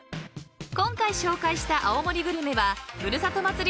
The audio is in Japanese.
［今回紹介した青森グルメはふるさと祭り